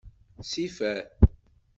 Sifer.